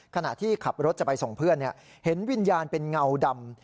ขณะที่ขับรถจะไปส่งเพื่อนเห็นวิญญาณเป็นเงาดำ